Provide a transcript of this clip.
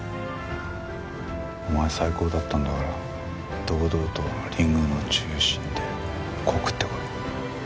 お前最高だったんだから堂々とリングの中心で告ってこい。